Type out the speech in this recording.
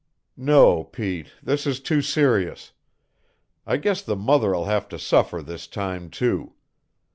"No, Pete; this is too serious. I guess the mother'll have to suffer this time, too.